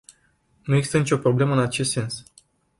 Nu există nicio problemă în acest sens.